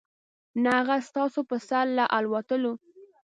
نه هغه ستاسو په سر له الوتلو .